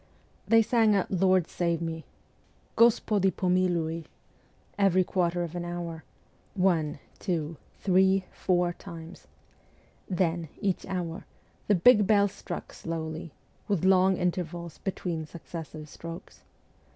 They rang a ' Lord save me '(' Gospodi pomilui ') every quarter of an hour one, two, three, four times. Then, each hour, the big bell struck slowly, with long intervals between successive strokes.